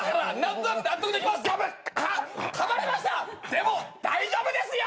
でも大丈夫ですよ！